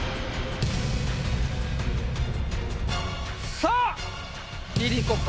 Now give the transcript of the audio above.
さあＬｉＬｉＣｏか？